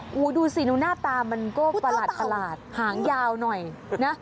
โอ้โหดูสิดูหน้าตามันก็ประหลาดหางยาวหน่อยนะ